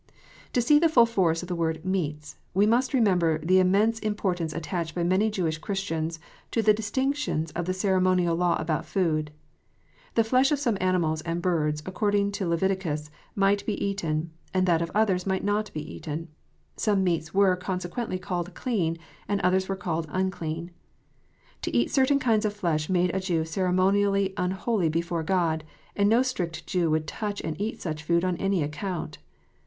To see the full force of the word "meats," we must remember the immense importance attached by many Jewish Christians to the distinctions of the ceremonial law about food. The flesh of some animals and birds, according to Leviticus, might be eaten, and that of others might not be eaten. Some meats were, consequently, called " clean," and others were called " unclean." To eat certain kinds of flesh made a Jew ceremonially unholy before God, and no strict Jew would touch and eat such food on any account.